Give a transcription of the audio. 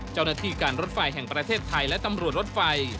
เจ้าหน้าที่การรถไฟแห่งประเทศไทยและตำรวจรถไฟ